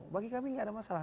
bagi kami tidak ada masalah